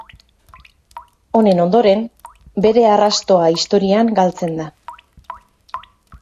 Honen ondoren, bere arrastoa historian galtzen da.